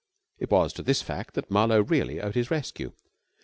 It was to this fact that Marlowe really owed his rescue.